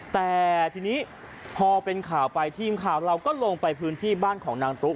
แต่ทีนี้พอเป็นข่าวไปทีมข่าวเราก็ลงไปพื้นที่บ้านของนางตุ๊ก